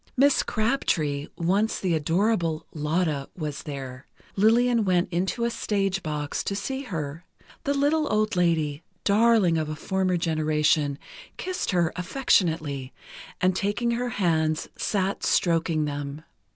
Miss Crabtree, once the adorable "Lotta," was there. Lillian went into a stage box to see her. The little old lady, darling of a former generation, kissed her affectionately, and taking her hands, sat stroking them.